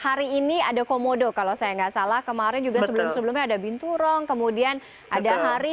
hari ini ada komodo kalau saya nggak salah kemarin juga sebelum sebelumnya ada binturong kemudian ada hari